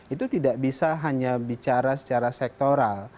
itu tidak bisa hanya bicara secara sektoral